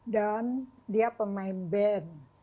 dan dia pemain band